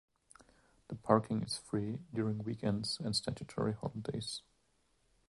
The parking is free during weekends and statutory holidays.